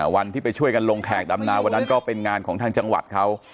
วันที่ไปช่วยกันลงแขกดำนาวันนั้นก็เป็นงานของทางจังหวัดเขา